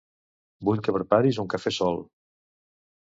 Vull que preparis un cafè sol.